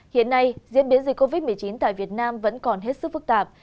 hiện nay diễn biến dịch covid một mươi chín tại việt nam vẫn còn hết sức phức tạp